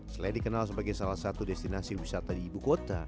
selain dikenal sebagai salah satu destinasi wisata di ibu kota